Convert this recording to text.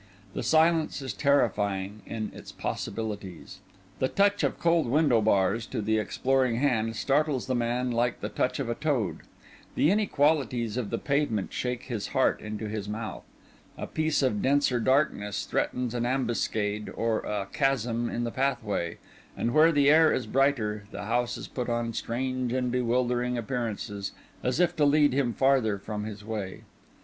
The silence is terrifying in its possibilities. The touch of cold window bars to the exploring hand startles the man like the touch of a toad; the inequalities of the pavement shake his heart into his mouth; a piece of denser darkness threatens an ambuscade or a chasm in the pathway; and where the air is brighter, the houses put on strange and bewildering appearances, as if to lead him farther from his way.